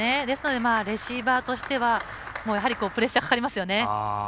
ですのでレシーバーとしてはプレッシャーかかりますよね。